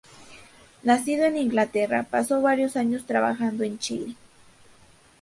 Nacido en Inglaterra, pasó varios años trabajando en Chile.